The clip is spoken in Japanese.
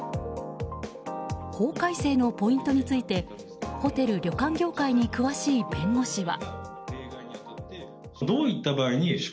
法改正のポイントについてホテル・旅館業界に詳しい弁護士は。